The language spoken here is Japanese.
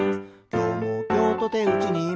「今日も今日とてうちにいます」